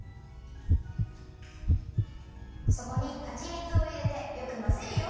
そこにはちみつをいれてよくまぜるよ。